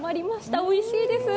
おいしいです。